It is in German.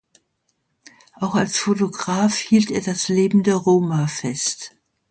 Auch als Fotograf hielt er das Leben der Roma fest.